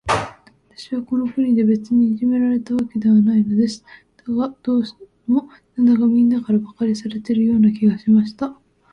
私はこの国で、別にいじめられたわけではないのです。だが、どうも、なんだか、みんなから馬鹿にされているような気がしました。